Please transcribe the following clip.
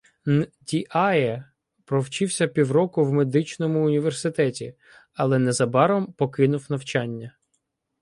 Н'Діає провчився півроку в медичному університеті, але незабаром покинув навчання.